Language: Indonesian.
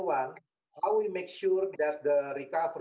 penyelamat akan menjadi penyelamatan